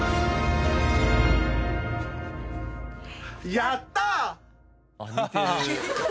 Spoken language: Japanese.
やったー！